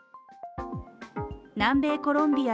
南米コロンビア